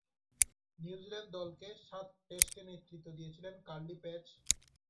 New Zealand দলকে সাত টেস্টে নেতৃত্ব দিয়েছেন কার্লি পেজ।